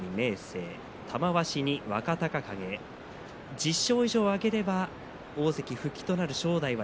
１０勝以上、挙げれば大関復帰となる正代